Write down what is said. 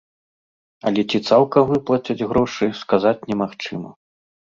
Але ці цалкам выплацяць грошы, сказаць немагчыма.